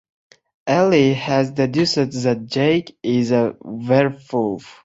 Ellie has deduced that Jake is a werewolf.